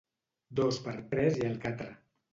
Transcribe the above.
Dos per tres i el catre.